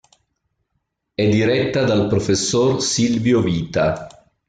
È diretta dal professor Silvio Vita.